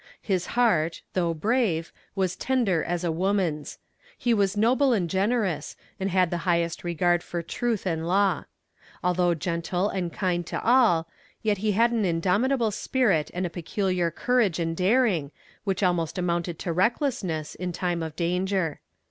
His heart, though brave, was tender as a woman's. He was noble and generous, and had the highest regard for truth and law. Although gentle and kind to all, yet he had an indomitable spirit and a peculiar courage and daring, which almost amounted to recklessness in time of danger.